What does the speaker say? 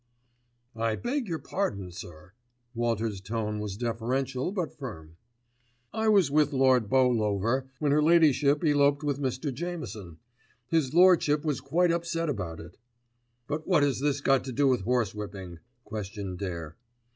"I beg your pardon, sir," Walters' tone was deferential but firm. "I was with Lord Beaulover when her Ladyship eloped with Mr. Jameson. His Lordship was quite upset about it." "But what has this got to do with horsewhipping?" questioned Dare.